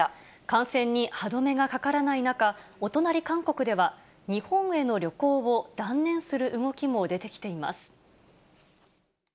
感染に歯止めがかからない中、お隣、韓国では、日本への旅行を断念する動きも出てきています。